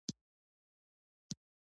زیار ایستل څه مېوه ورکوي؟